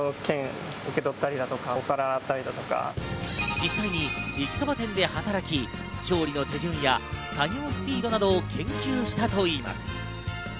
実際に駅そば店で働き、調理の手順や作業スピードなどを研究したといいます。